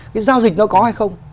cái giao dịch nó có hay không